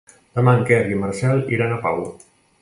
Demà en Quer i en Marcel iran a Pau.